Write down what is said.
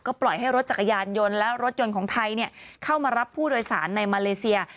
ปล่อยให้รถจักรยานยนต์และรถยนต์ของไทยเข้ามารับผู้โดยสารในมาเลเซีย